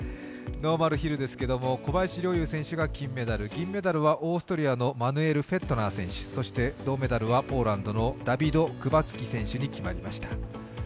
ノーマルヒルですけれども、小林陵侑選手が金メダル銀メダルはオーストリアのマヌエル・フェットナー選手、銅メダルはポーランドのクバツキ選手に決まりました。